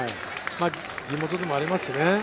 地元でもありますしね。